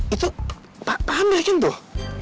itu pak amir kan tuh